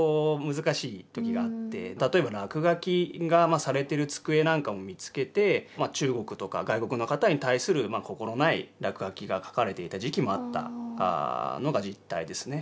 例えば落書きがされてる机なんかも見つけて中国とか外国の方に対する心ない落書きが書かれていた時期もあったのが実態ですね。